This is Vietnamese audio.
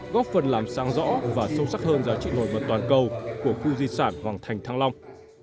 góp phần làm sáng rõ và sâu sắc hơn giá trị nổi bật toàn cầu của khu di sản hoàng thành thăng long